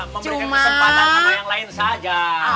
mau beri kesempatan sama yang lain saja